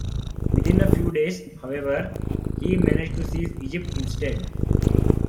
Within a few days, however, he managed to seize Egypt instead.